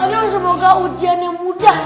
aduh semoga ujiannya mudah